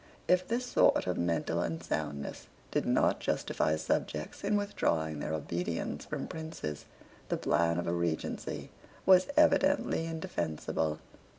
If this sort of mental unsoundness did not justify subjects in withdrawing their obedience from princes, the plan of a Regency was evidently indefensible.